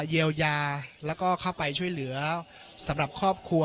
เยียวยาแล้วก็เข้าไปช่วยเหลือสำหรับครอบครัว